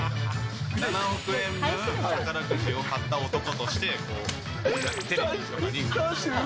７億円分宝くじを買った男として、テレビとかで売り出す。